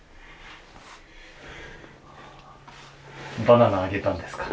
バナナあげたんですか？